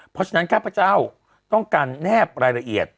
เพราะฉะนั้นข้าพเจ้าต้องการแนบรายละเอียด